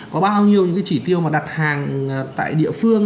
có bao nhiêu những cái chỉ tiêu mà đặt hàng tại địa phương